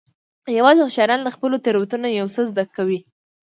یوازې هوښیاران له خپلو تېروتنو یو څه زده کوي.